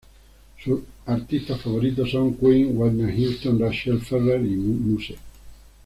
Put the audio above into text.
Sus artistas favoritos son Queen, Whitney Houston, Rachelle Ferrell, y Muse.